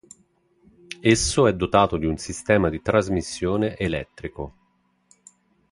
Esso è dotato di un sistema di trasmissione elettrico.